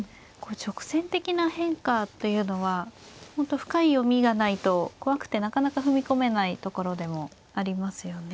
直線的な変化というのは本当深い読みがないと怖くてなかなか踏み込めないところでもありますよね。